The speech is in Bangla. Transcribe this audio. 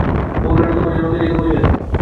বউরানী তোমার জন্যে হয়তো জেগে বসে আছেন।